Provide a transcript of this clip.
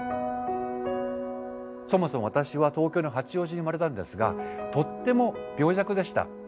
そもそも私は東京の八王子に生まれたんですがとっても病弱でした。